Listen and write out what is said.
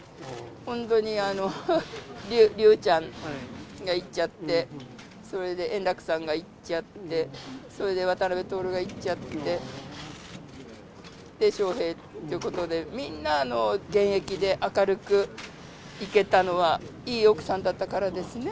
本当に竜ちゃんが逝っちゃって、それで円楽さんが逝っちゃって、それで渡辺徹が逝っちゃって、笑瓶っていうことで、みんな現役で明るく逝けたのは、いい奥さんだったからですね。